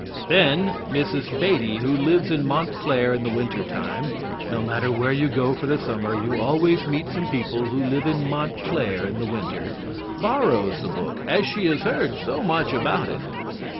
Then Mrs. Beatty, who lives in Montclair in the winter time (no matter where you go for the summer, you always meet some people who live in Montclair in the winter), borrows the book, as she has heard so much about it.